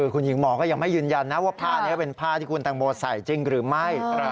คุณหญิงหมอก็ยังไม่ยืนยันนะว่าผ้านี้เป็นผ้าที่คุณแตงโมใส่จริงหรือไม่